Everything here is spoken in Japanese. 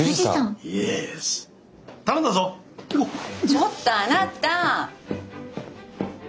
ちょっとあなた！